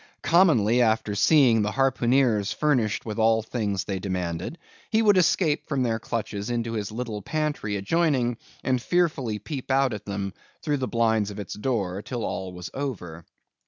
Commonly, after seeing the harpooneers furnished with all things they demanded, he would escape from their clutches into his little pantry adjoining, and fearfully peep out at them through the blinds of its door, till all was over.